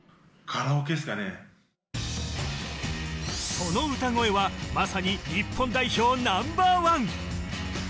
その歌声はまさに日本代表ナンバーワン。